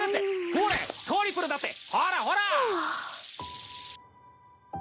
ほれトリプルだってほらほら！ハァ。